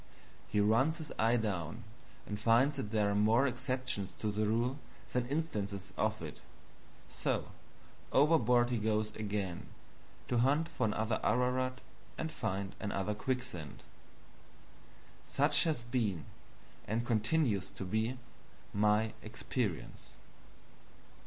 He runs his eye down and finds that there are more exceptions to the rule than instances of it. So overboard he goes again, to hunt for another Ararat and find another quicksand. Such has been, and continues to be, my experience.